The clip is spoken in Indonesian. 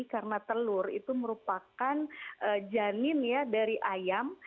karena telur itu merupakan janin dari ayam